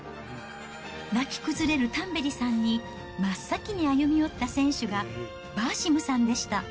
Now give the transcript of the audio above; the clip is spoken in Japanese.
泣き崩れるタンベリさんに、真っ先に歩み寄った選手がバーシムさんでした。